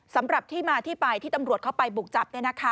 สำหรับที่มาที่ไปที่ตำรวจเข้าไปบุกจับ